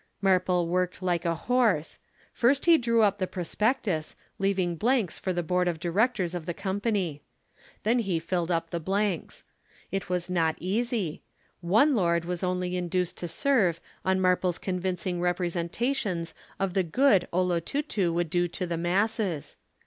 Marple worked like a horse. First he drew up the Prospectus, leaving blanks for the Board of Directors of the Company. Then he filled up the blanks. It was not easy. One lord was only induced to serve on Marple's convincing representations of the good 'Olotutu' would do to the masses.